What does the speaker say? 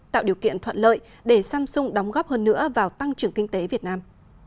tạo điều kiện thuận lợi để samsung đóng góp hơn nữa vào tăng trưởng kinh tế việt nam